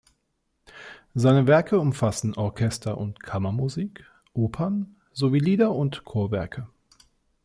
Seine Werke umfassen Orchester- und Kammermusik, Opern sowie Lieder und Chorwerke.